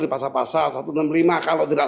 di pasal pasal satu ratus enam puluh lima kalau tidak